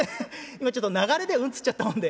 今ちょっと流れで『うん』つっちゃったもんで。